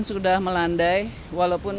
sudah melandai walaupun